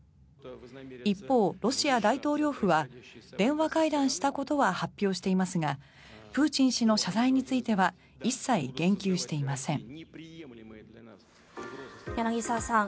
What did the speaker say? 一方、ロシア大統領府は電話会談したことは発表していますがプーチン氏の謝罪については一切言及していません。